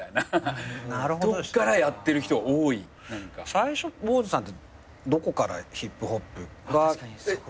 最初Ｂｏｓｅさんってどこからヒップホップが。